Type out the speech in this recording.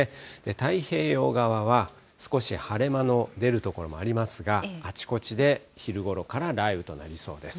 太平洋側は、少し晴れ間の出る所もありますが、あちこちで昼ごろから雷雨となりそうです。